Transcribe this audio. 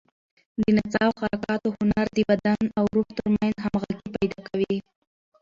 د نڅا او حرکاتو هنر د بدن او روح تر منځ همغږي پیدا کوي.